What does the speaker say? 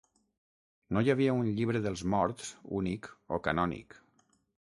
No hi havia un "Llibre dels Morts" únic o canònic.